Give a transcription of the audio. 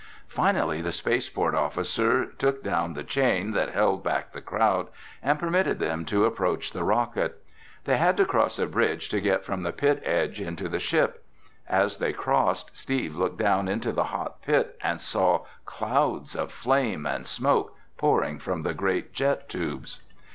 Finally the space port officer took down the chain that held back the crowd and permitted them to approach the rocket. They had to cross a bridge to get from the pit edge into the ship. As they crossed, Steve looked down into the hot pit and saw clouds of flame and smoke pouring from the great jet tubes.